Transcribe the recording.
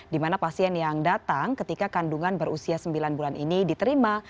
di mana pasien yang datang ketika kandungan berusia sembilan bulan ini diterima